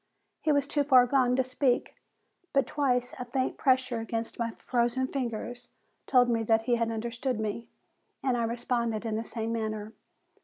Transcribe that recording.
He was too far gone to speak, but twice a faint pressure against my frozen fingers told me that he had understood me, and I responded in the same manner.